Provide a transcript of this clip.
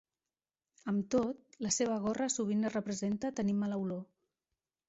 Amb tot, la seva gorra sovint es representa tenint mala olor.